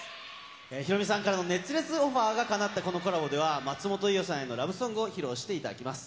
ヒロミさんからの熱烈オファーがかなったこのコラボでは、松本伊代さんへのラブソングを披露していただきます。